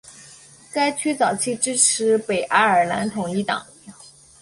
该区早期支持北爱尔兰统一党。